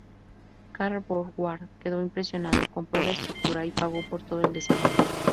Carl Borg Ward, quedo impresionado, compró la estructura y pagó por todo el desarrollo.